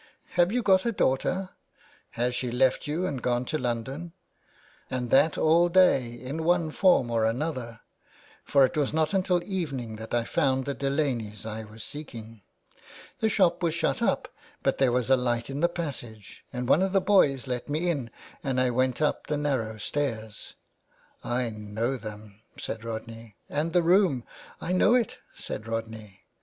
Have you got a daughter ? Has she 409 THE WAY BACK. left you and gone to London ?' And that all day in one form or another, for it was not until evening that I found the Delaneys I was seeking. The shop was shutting up, but there was a light in the passage, and one of the boys let me in and I went up the narrow stairs." " I know them," said Rodney. " And the room—" *' I know it," said Rodney.